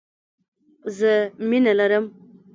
زه مينه لرم